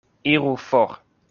Iru for!